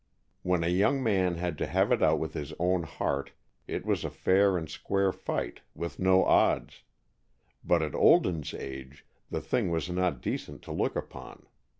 When a young man had to have it out with his own heart, it was a fair and square fight, with no odds. But at Olden's age, the thing was not decent to look upon.